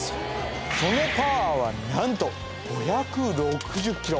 そのパワーは何と５６０ｋｇ